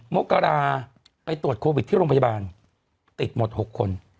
มกราไปตรวจโควิดที่โรงพยาบาลติดหมด๖คน